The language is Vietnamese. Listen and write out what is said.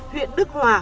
huyện đức hòa